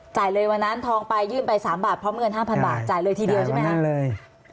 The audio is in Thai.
จ่ายเลยวันนั้นทองไปยื่นไป๓บาทพร้อมเงิน๕๐๐๐บาทจ่ายเลยทีเดียวใช่ไหมฮะจ่ายวันนั้นเลย